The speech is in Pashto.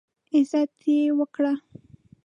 عزت یې وکړ.